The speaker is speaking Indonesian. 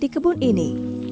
di kebun ini